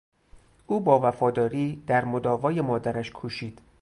او با وفاداری در مداوای مادرش کوشید.